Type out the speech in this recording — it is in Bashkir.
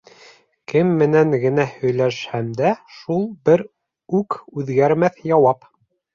Кем менән генә һөйләшһәм дә шул бер үкүҙгәрмәҫ яуап.